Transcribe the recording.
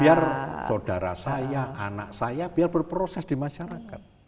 biar saudara saya anak saya biar berproses di masyarakat